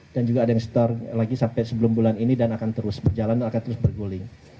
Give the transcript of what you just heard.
juga ada yang store lagi sampai sebelum bulan ini dan akan terus berjalan dan akan terus berguling